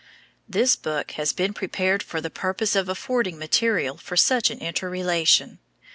This book has been prepared for the purpose of affording material for such an interrelation.